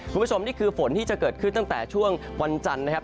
คุณผู้ชมนี่คือฝนที่จะเกิดขึ้นตั้งแต่ช่วงวันจันทร์นะครับ